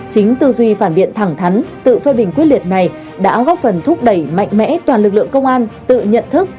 chính tư duy phản biện thẳng thắn tự phê bình quyết liệt này đã góp phần thúc đẩy mạnh mẽ toàn lực lượng công an tự nhận thức